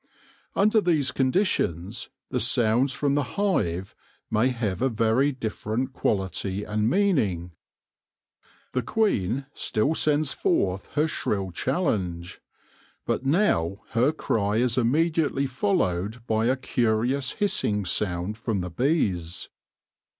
Under these conditions the sounds from the hive may have a very different quality and mean * ing. The queen still sends forth her shrill challenge, but now her cry is immediately followed by a curious hissing sound from the bees.